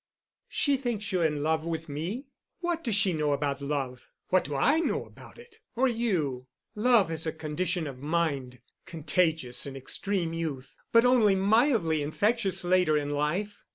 "She thinks you're in love with me? What does she know about love? What do I know about it? or you? Love is a condition of mind, contagious in extreme youth, but only mildly infectious later in life.